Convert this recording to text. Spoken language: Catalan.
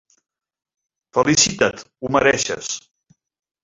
Felicita't, ho mereixes.